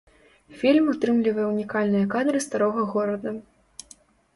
Фільм утрымлівае ўнікальныя кадры старога горада.